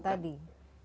pemahaman itu tadi